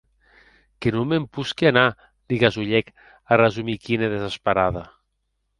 Que non me’n posqui anar, li gasulhèc a Rasumikhine, desesperada.